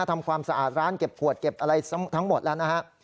ทำความสะอาดร้านเก็บขวดเก็บอะไรทั้งหมดแล้วนะฮะ